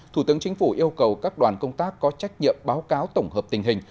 thủ tướng chính phủ yêu cầu các đoàn công tác có trách nhiệm báo cáo tổng hợp tình hình